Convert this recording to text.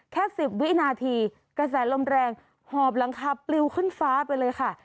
แค่๑๐วินาทีกระแสลมแรงหอบหลังคาปลิวขึ้นฟ้าไปเลยค่ะ